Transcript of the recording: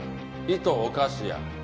「いとおかし」や。